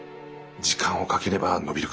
時間をかければ伸びるかと。